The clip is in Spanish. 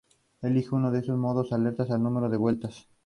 Elegir uno de esos modos altera el número de vueltas.